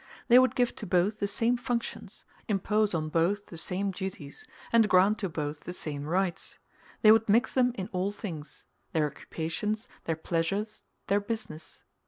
They would give to both the same functions, impose on both the same duties, and grant to both the same rights; they would mix them in all things their occupations, their pleasures, their business.